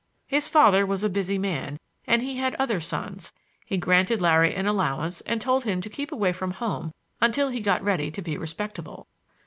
His father was a busy man, and he had other sons; he granted Larry an allowance and told him to keep away from home until he got ready to be respectable.